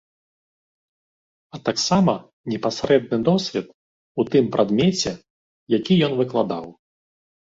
А таксама непасрэдны досвед у тым прадмеце, які ён выкладаў.